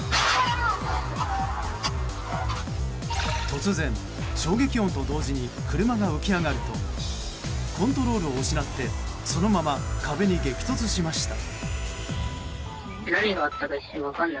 突然、衝撃音と同時に車が浮き上がるとコントロールを失ってそのまま壁に激突しました。